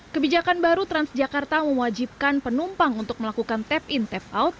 kebijakan baru transjakarta mewajibkan penumpang untuk melakukan tap in tap out